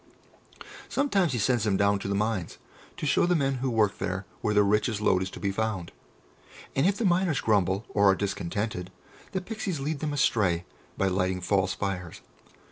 Sometimes he sends them down to the mines, to show the men who work there where the richest lode is to be found; and if the miners grumble, or are discontented, the Pixies lead them astray by lighting false fires.